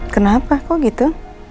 kenapa kok gitu